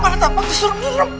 mana tampaknya suruh menurut